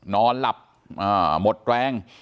นอนหลับหมดแรง